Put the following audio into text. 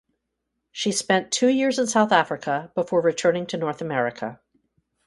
She spent two years in South Africa before returning to North America.